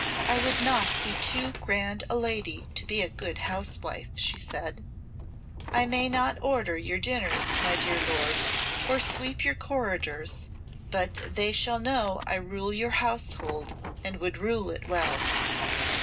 "I would not be too grand a lady to be a good housewife," she said. "I may not order your dinners, my dear lord, or sweep your corridors, but they shall know I rule your household and would rule it well."